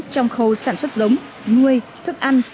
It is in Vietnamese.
trong khâu sản xuất giống nuôi thức ăn